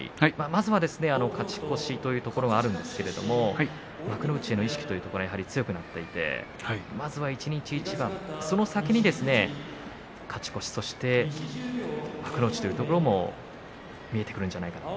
まずは、勝ち越しというところがありますが幕内への意識は強くなっていてまずは一日一番、その先に勝ち越し、そして幕内というところも見えてくるんじゃないかと。